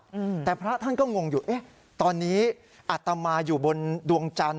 อืมแต่พระท่านก็งงอยู่เอ๊ะตอนนี้อัตมาอยู่บนดวงจันท